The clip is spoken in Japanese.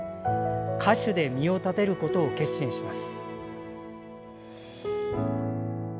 歌手で身を立てることを決心します。